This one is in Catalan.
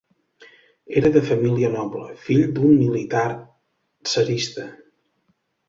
Era de família noble, fill d'un militar tsarista.